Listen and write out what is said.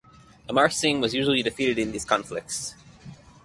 Amar Singh was usually defeated in these conflicts.